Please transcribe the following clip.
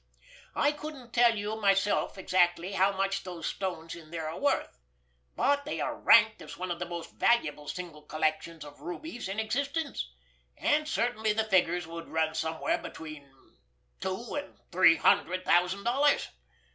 I couldn't tell you myself exactly how much those stones in there are worth, but they are ranked as one of the most valuable single collections of rubies in existence, and certainly the figures would run somewhere between two and three hundred thousand dollars.